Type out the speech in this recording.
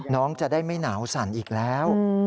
น้องจะได้ไม่หนาวสั่นอีกแล้ว